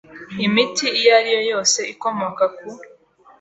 imiti iyo ari yo yose ikomoka ku